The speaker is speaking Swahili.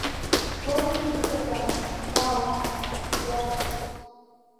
boti nzito za mbao na gia zetu